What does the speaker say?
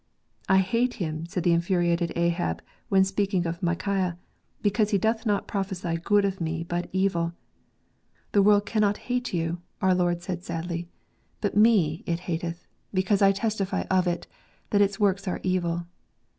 " I hate him," said the infuri ated Ahab when speaking of Micaiah, " because he doth not prophesy good of me, but evil." "The world cannot hate Josephs 0 reams. 15 you/' our Lord said sadly; "but Me it hateth, because I testify of it, that its works are evil."